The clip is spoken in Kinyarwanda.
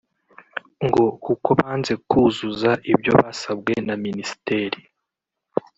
ngo kuko banze kuzuza ibyo basabwe na Ministeri